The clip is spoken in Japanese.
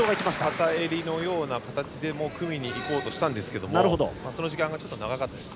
片襟のような形でも組に行こうとしたんですがその時間がちょっと長かったです。